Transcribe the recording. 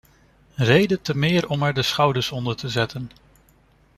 Reden te meer om er de schouders onder te zetten.